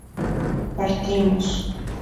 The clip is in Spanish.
partimos